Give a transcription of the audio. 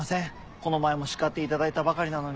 この前も叱っていただいたばかりなのに。